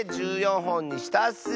ほんにしたッス。